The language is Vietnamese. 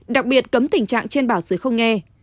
đặc biệt cấm tình trạng trên bảo xứ không nghe